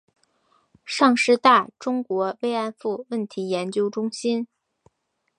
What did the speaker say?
上师大中国慰安妇问题研究中心